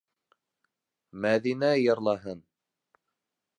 Мәҙинә йырҙаһын!